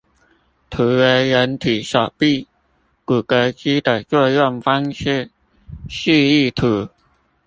圖為人體手臂骨骼肌的作用方式示意圖